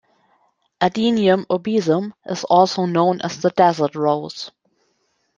"Adenium obesum" is also known as the Desert Rose.